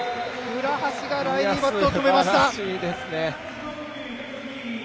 倉橋がライリー・バットを止めました。